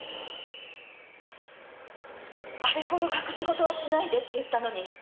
あれほど隠し事はしないでって言ったのに。